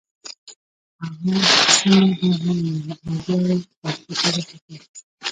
هغه څه موده غلی و او بیا یې کتابچې ته وکتل